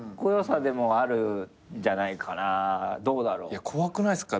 いや怖くないっすか。